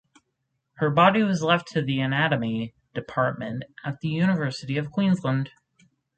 Her body was left to the anatomy department at the University of Queensland.